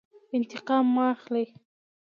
انتقام مه اخلئ